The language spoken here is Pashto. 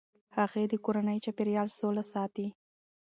هغې د کورني چاپیریال سوله ساتي.